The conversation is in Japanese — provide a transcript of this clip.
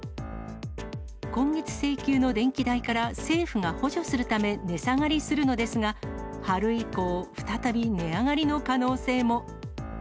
今月請求の電気代から政府が補助するため値下がりするのですが、春以降、再び値上がりの可能性も。